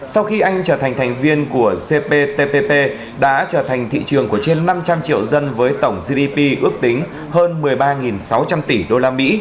sau khi anh trở thành thành viên của cptpp đã trở thành thị trường của trên năm trăm linh triệu dân với tổng gdp ước tính hơn một mươi ba sáu trăm linh tỷ usd